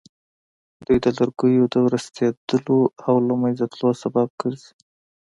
دوی د لرګیو د ورستېدلو او له منځه تلو سبب ګرځي.